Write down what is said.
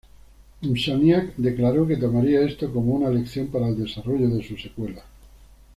Insomniac declaró que tomarían esto como una lección para el desarrollo de su secuela.